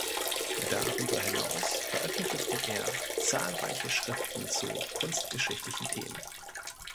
Darüber hinaus veröffentlichte er zahlreiche Schriften zu kunstgeschichtlichen Themen.